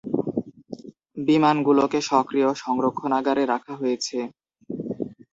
বিমানগুলোকে "সক্রিয়" সংরক্ষণাগারে রাখা হয়েছে।